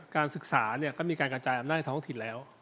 การศึกษาก็มีการกระจายอำนาจในท้องถิ่นแล้ว